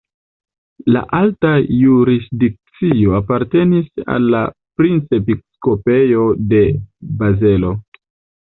La alta jurisdikcio apartenis al la Princepiskopejo de Bazelo.